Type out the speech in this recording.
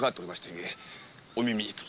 ゆえお耳にと。